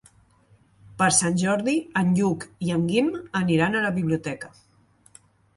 Per Sant Jordi en Lluc i en Guim aniran a la biblioteca.